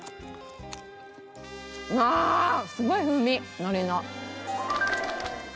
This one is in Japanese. ああすごい風味海苔の。